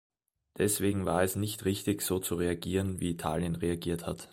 Deswegen war es nicht richtig, so zu reagieren, wie Italien reagiert hat.